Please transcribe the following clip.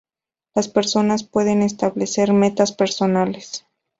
Las personas pueden establecer metas personales.